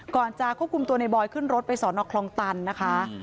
ก่อนจากควบคุมตัวนายบอยขึ้นรถไปสอนออกคลองตันนะคะ